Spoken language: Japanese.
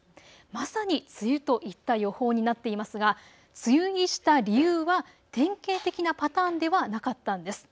まさに梅雨といった予報になっていますが梅雨入りした理由は典型的なパターンではなかったんです。